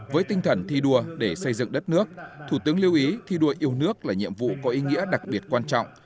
với tinh thần thi đua để xây dựng đất nước thủ tướng lưu ý thi đua yêu nước là nhiệm vụ có ý nghĩa đặc biệt quan trọng